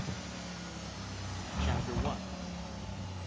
CHAPTER ONE.